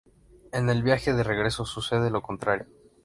En el viaje de regreso, sucede lo contrario.